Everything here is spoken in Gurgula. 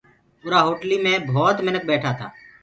اُرآ هوٽليٚ مي ڀوت منک ٻيٺآ تآ